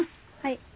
はい。